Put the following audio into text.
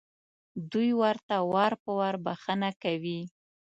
دوی ورته وار په وار بښنه کوي.